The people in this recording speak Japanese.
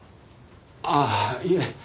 ああいえ。